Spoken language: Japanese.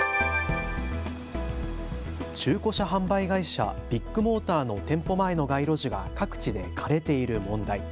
中古車販売会社ビッグモーターの店舗前の街路樹が各地で枯れている問題。